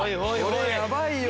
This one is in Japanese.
これヤバいよ！